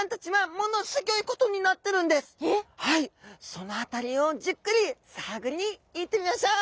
そのあたりをじっくり探りに行ってみましょう！